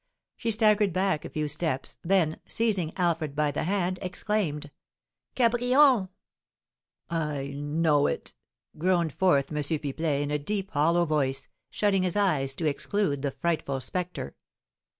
She staggered back a few steps, then, seizing Alfred by the hand, exclaimed: "Cabrion!" "I know it!" groaned forth M. Pipelet, in a deep, hollow voice, shutting his eyes to exclude the frightful spectre.